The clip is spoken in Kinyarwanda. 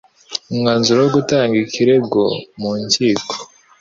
umwanzuro wo gutanga ikirego mu nkiko